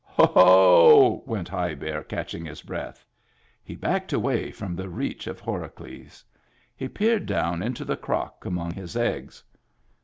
"Ho!" went High Bear, catching his breath. He backed away from the reach of Horacles. He peered down into the crock among his eggs.